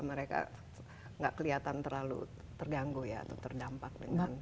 mereka nggak kelihatan terlalu terganggu ya atau terdampak dengan